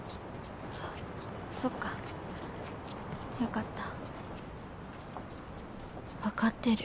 そっかよかった。